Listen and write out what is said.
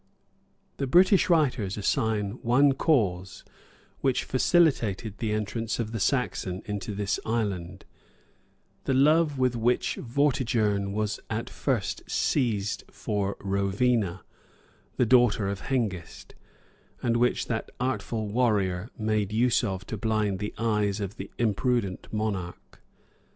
[*] The British writers assign one cause which facilitated the entrance of the Saxons into this island the love with which Vortigern was at first seized for Rovena, the daughter of Hengist, and which that artful warrior made use of to blind the eyes of the imprudent monarch.